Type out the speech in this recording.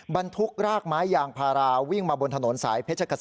บรรทุกรากไม้ยางพาราวิ่งมาบนถนนสายเพชรเกษม